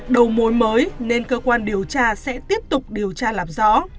đầu mối mới nên cơ quan điều tra sẽ tiếp tục điều tra làm rõ